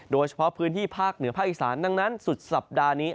โดยเฉพาะพื้นที่ภาคเหนือภาคอีสานดังนั้นสุดสัปดาห์นี้